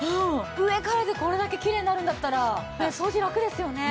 上からでこれだけきれいになるんだったら掃除ラクですよね。